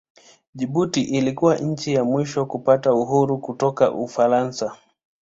Jibuti ilikuwa nchi ya mwisho kupata uhuru kutoka Ufaransa.